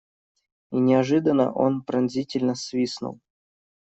И неожиданно он пронзительно свистнул.